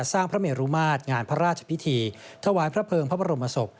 ราชพิธีถวายพระเพลิงพระบรมศพ